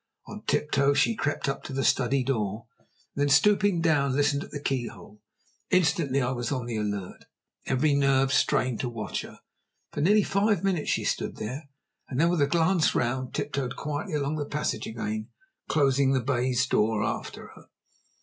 On tip toe she crept up to the study door, and then stooping down, listened at the keyhole. Instantly I was on the alert, every nerve strained to watch her. For nearly five minutes she stood there, and then with a glance round, tiptoed quietly along the passage again, closing the baize door after her.